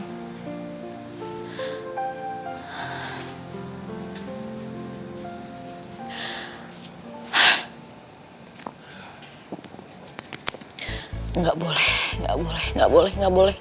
tidak boleh tidak boleh tidak boleh tidak boleh